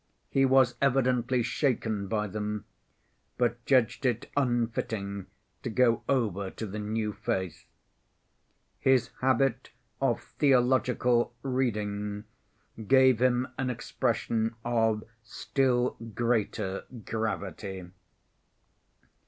He was evidently shaken by them, but judged it unfitting to go over to the new faith. His habit of theological reading gave him an expression of still greater gravity.